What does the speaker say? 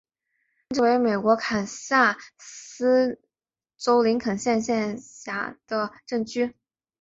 洛根镇区为美国堪萨斯州林肯县辖下的镇区。